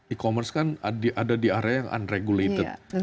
e commerce kan ada di area yang unregulated